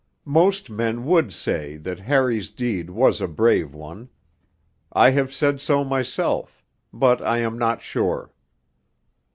Most men would say that Harry's deed was a brave one. I have said so myself but I am not sure.